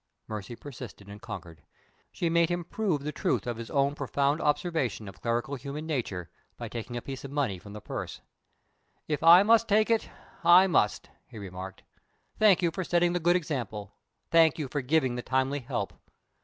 Mercy persisted, and conquered; she made him prove the truth of his own profound observation of clerical human nature by taking a piece of money from the purse. "If I must take it I must!" he remarked. "Thank you for setting the good example! thank you for giving the timely help!